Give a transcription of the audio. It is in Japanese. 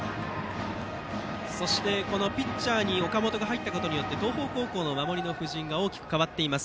そして、ピッチャーに岡本が入ったことによって東邦高校の守りの布陣が大きく変わっています。